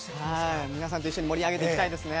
皆さんと一緒に盛り上げていきたいですね。